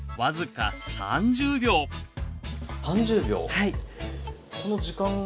はい。